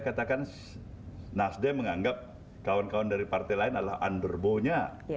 katakan nasdem menganggap kawan kawan dari partai lain adalah underbow nya